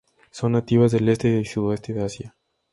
Son nativas del este y sudeste de Asia.